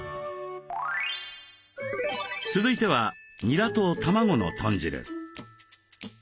続いてはにらと卵の豚汁。